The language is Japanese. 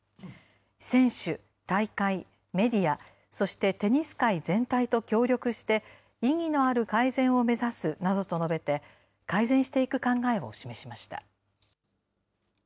選手、大会、メディア、そしてテニス界全体と協力して、意義のある改善を目指すなどと述べて、改善していく考えを示しました。